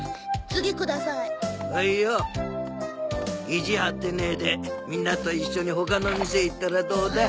意地張ってねえでみんなと一緒に他の店へ行ったらどうだ？